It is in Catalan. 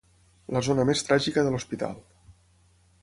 La zona més tràgica de l'hospital.